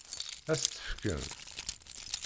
Ad s-tt-fken?